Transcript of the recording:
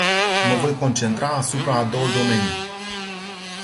Mă voi concentra asupra a două domenii.